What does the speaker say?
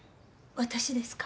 私ですか？